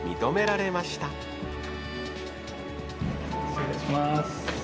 失礼します。